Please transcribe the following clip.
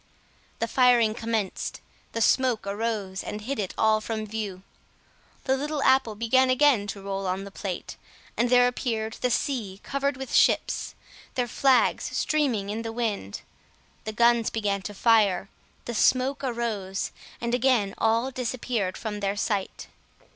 The firing commenced, the smoke arose, and hid it all from view. The little apple began again to roll on the plate, and there appeared the sea covered with ships, their flags streaming in the wind. The guns began to fire, the smoke arose, and again all disappeared from their sight.